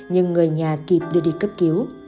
nhưng người nhà kịp đưa đi cấp cứu